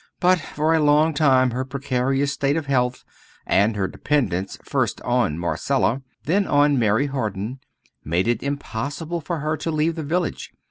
But for a long time her precarious state of health, and her dependence first on Marcella, then on Mary Harden, made it impossible for her to leave the village.